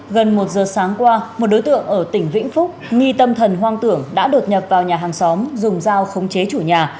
gần một giờ sáng qua một đối tượng ở tỉnh vĩnh phúc nghi tâm thần hoang tưởng đã đột nhập vào nhà hàng xóm dùng dao khống chế chủ nhà